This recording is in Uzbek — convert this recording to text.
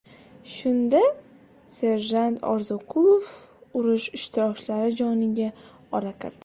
Shunda, serjant Orzikulov urush ishtirokchilari joniga ora kirdi.